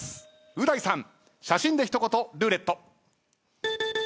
う大さん写真で一言ルーレット。